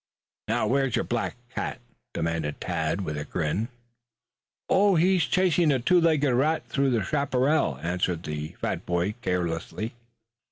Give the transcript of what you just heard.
"Now where's your black cat?" demanded Tad with a grin. "Oh, he's chasing a two legged rat through the chaparral," answered the fat boy carelessly.